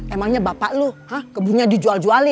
emangnya bapak lo kebunnya dijual jualin